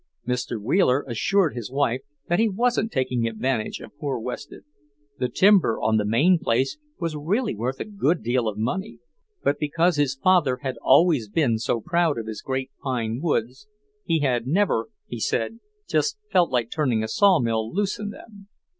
Mr. Wheeler assured his wife that he wasn't taking advantage of poor Wested; the timber on the Maine place was really worth a good deal of money; but because his father had always been so proud of his great pine woods, he had never, he said, just felt like turning a sawmill loose in them.